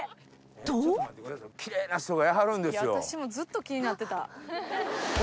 と私もずっと気になってた。